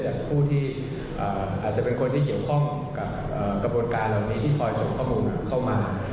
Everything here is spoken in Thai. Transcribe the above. ผู้ที่อาจจะเป็นคนที่เกี่ยวข้องกับกระบวนการเหล่านี้ที่คอยส่งข้อมูลเข้ามา